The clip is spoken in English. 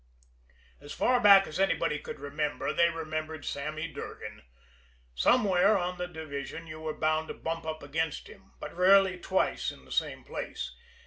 As far back as anybody could remember they remembered Sammy Durgan. Somewhere on the division you were bound to bump up against him but rarely twice in the same place.